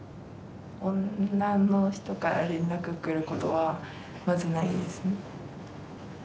女の人から連絡来ることはまずないです。